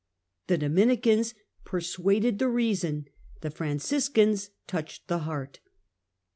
The Dominicans persuaded the reason, the Franciscans touched the heart.